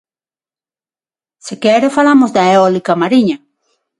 Se quere falamos da eólica mariña.